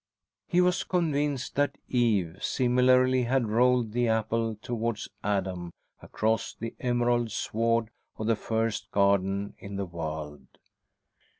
He was convinced that Eve, similarly, had rolled the apple towards Adam across the emerald sward of the first garden in the world.